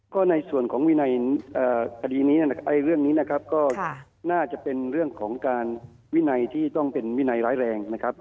ก็ในส่วนของวินัยคดีนี้นะครับเรื่องนี้นะครับก็น่าจะเป็นเรื่องของการวินัยที่ต้องเป็นวินัยร้ายแรงนะครับ